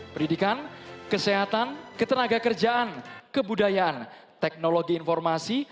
pendidikan kesehatan ketenaga kerjaan kebudayaan teknologi informasi